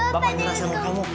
bapak nyerah sama kamu